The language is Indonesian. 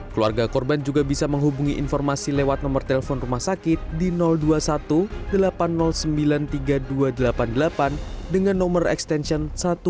keluarga korban juga bisa menghubungi informasi lewat nomor telepon rumah sakit di dua puluh satu delapan ratus sembilan ribu tiga ribu dua ratus delapan puluh delapan dengan nomor extension satu ratus dua puluh